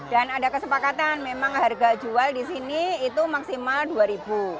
dan ada kesepakatan memang harga jual di sini itu maksimal rp dua